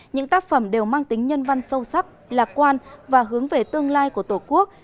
những tác phẩm đều mang tính nhân văn sâu sắc lạc quan và hướng về tương lai của tổ quốc